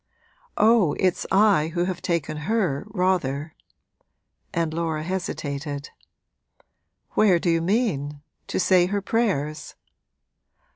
'Oh, it's I who have taken her, rather.' And Laura hesitated. 'Where do you mean? to say her prayers?'